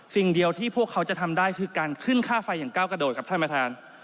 สิ่งเดียวที่พวกเขาจะทำได้คือการขึ้นค่าไฟอย่างก้าวกระโดดครับท่านประธาน